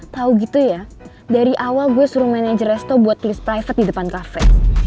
tau gitu ya dari awal gue suruh manajer resto buat private di depan kafe